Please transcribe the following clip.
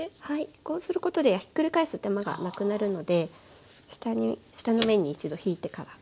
こうすることでひっくり返す手間がなくなるので下の面に一度ひいてから。